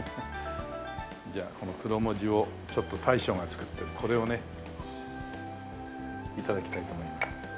じゃあこのクロモジをちょっと大将が作ったこれをね頂きたいと思います。